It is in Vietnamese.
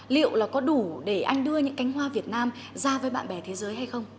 liệu là có đủ để anh đưa những cánh hoa việt nam ra với bạn bè thế giới hay không